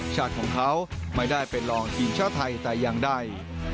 ชาติของเขาไม่ได้เป็นรองทีมชาติไทยแต่อย่างใด